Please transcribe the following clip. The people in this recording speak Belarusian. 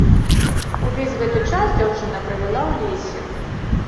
Увесь гэты час дзяўчына правяла ў лесе.